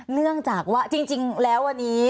เนื่องจากว่าจริงแล้ววันนี้